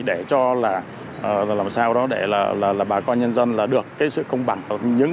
để cho là làm sao đó để là bà con nhân dân là được cái sự công bằng những